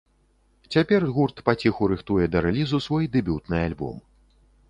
Цяпер гурт паціху рыхтуе да рэлізу свой дэбютны альбом.